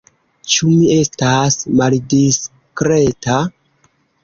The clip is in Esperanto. Ĉu mi estas maldiskreta?